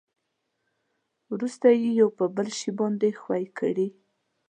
ورسته یې پر یو بل شي باندې ښوي کړئ.